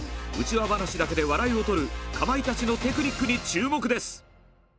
内輪話だけで笑いをとるかまいたちのテクニックに注目です。